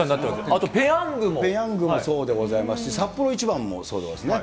あとペヤペヤングもそうでございますし、サッポロ一番もそうでございますね。